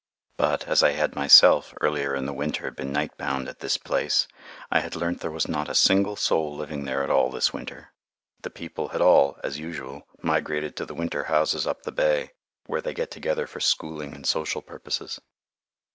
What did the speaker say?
But, as I had myself, earlier in the winter, been night bound at this place, I had learnt there was not a single soul living there at all this winter. The people had all, as usual, migrated to the winter houses up the bay, where they get together for schooling and social purposes.